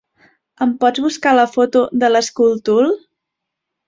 Em pots buscar la foto de l'SchoolTool?